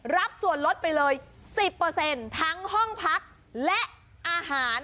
รับส่วนลดไปเลย๑๐ทั้งห้องพักและอาหาร